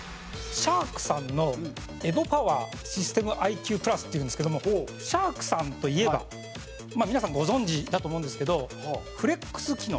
シャークさんのＥＶＯＰＯＷＥＲＳＹＳＴＥＭｉＱ＋っていうんですけどもシャークさんといえば、皆さんご存じだと思うんですけどＦＬＥＸ機能。